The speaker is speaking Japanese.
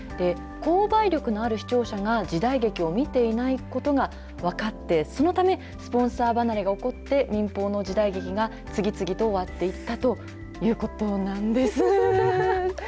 購買力のある視聴者が、時代劇を見ていないことが分かって、そのため、スポンサー離れが起こって、民放の時代劇が次々と終わっていったということなんです。